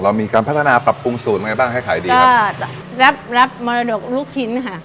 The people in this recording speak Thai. มีการพัฒนาปรับปรุงสูตรยังไงบ้างให้ขายดีครับค่ะรับรับมรดกลูกชิ้นค่ะ